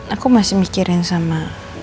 aku masih mikirin sama